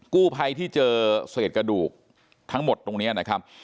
กู้ภัยที่เจอเศษกระดูกทั้งหมดตรงนี้นะครับ